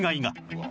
うわ。